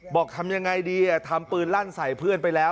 ทำยังไงดีทำปืนลั่นใส่เพื่อนไปแล้ว